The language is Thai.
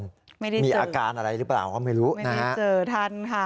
ไม่ได้เจอไม่ได้เจอทันค่ะมีอาการอะไรหรือเปล่าก็ไม่รู้นะ